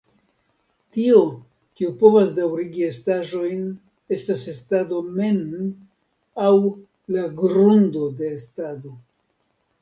Tio, kio povas daŭrigi estaĵojn estas estado mem, aŭ la "grundo de estado.